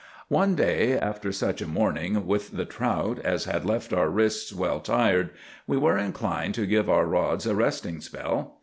"One day, after such a morning with the trout as had left our wrists well tired, we were inclined to give our rods a resting spell.